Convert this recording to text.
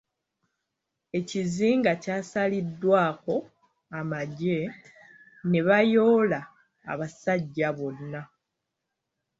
Ekizinga kyasaliddwako amagye ne bayoola abasajja bonna.